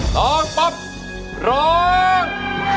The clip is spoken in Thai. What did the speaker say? ร้องป๊อปร้อง